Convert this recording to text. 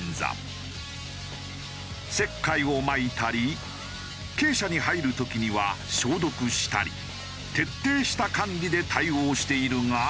石灰をまいたり鶏舎に入る時には消毒したり徹底した管理で対応しているが。